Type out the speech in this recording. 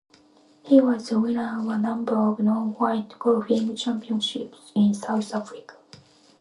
He was the winner of a number of non-white golfing championships in South Africa.